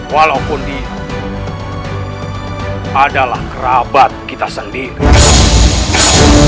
walaupun dia adalah kerabat kita sendiri